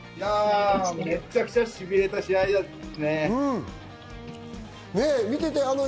めちゃくちゃしびれた試合でしたね。